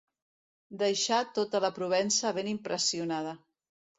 Deixà tota la Provença ben impressionada.